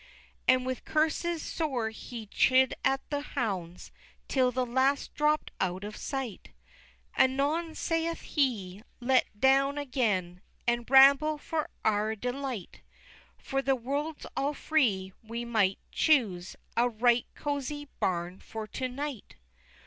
XVI. And with curses sore he chid at the hounds, Till the last dropt out of sight, Anon saith he, "Let's down again, And ramble for our delight, For the world's all free, and we may choose A right cozie barn for to night!"